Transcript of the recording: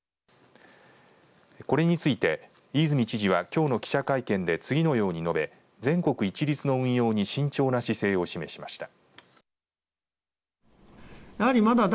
これについて飯泉知事はきょうの記者会見で次のように述べ全国一律の運用に慎重な姿勢を示しました。